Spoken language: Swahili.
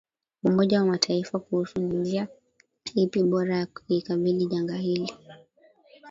Umoja wa Mataifa kuhusu ni njia ipi bora ya kulikabili janga hilo